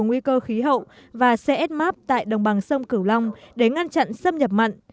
nguy cơ khí hậu và csmap tại đồng bằng sông cửu long để ngăn chặn xâm nhập mặn